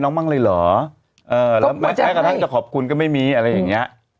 บ้างเลยเหรอเออแล้วแม้กระทั่งจะขอบคุณก็ไม่มีอะไรอย่างเงี้ย